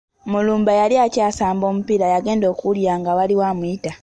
Mulumba yali akyasamba omupiira yagenda okuwulira nga awulira amuyita.